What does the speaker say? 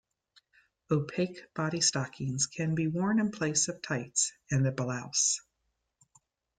Opaque bodystockings can be worn in place of tights and a blouse.